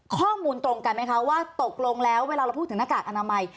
ข้อมูลตรงกันไหมคะว่าตกลงแล้วเวลาเราพูดถึงหน้ากากอนามัย